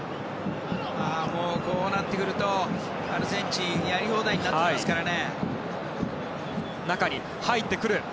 こうなってくると、アルゼンチンやり放題になってきますからね。